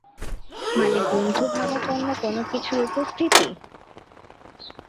মানে বন্ধুভাবাপন্ন কোনোকিছুর উপস্থিতি?